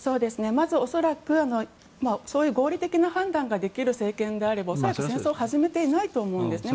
まず、恐らくそういう合理的な判断ができる政権であれば恐らく戦争を始めていないと思うんですね。